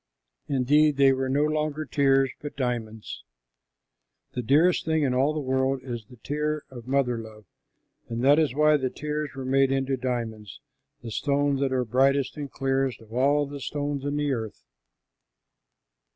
Indeed, they were no longer tears, but diamonds. The dearest thing in all the world is the tear of mother love, and that is why the tears were made into diamonds, the stones that are brightest and clearest of all the stones on the earth.